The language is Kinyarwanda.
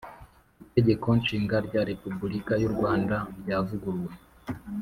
Itegeko Nshinga rya Repubulika y u Rwanda ryavuguruwe